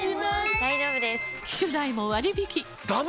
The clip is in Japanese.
大丈夫です！